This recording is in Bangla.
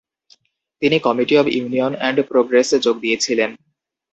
তিনি কমিটি অব ইউনিয়ন এন্ড প্রোগ্রেসে যোগ দিয়েছিলেন।